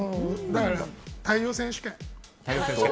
だから、太陽選手権。